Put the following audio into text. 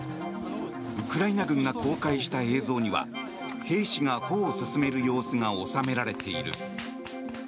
ウクライナ軍が公開した映像には兵士が歩を進める様子が収められている。